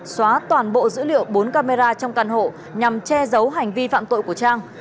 xóa toàn bộ dữ liệu bốn camera trong căn hộ nhằm che giấu hành vi phạm tội của trang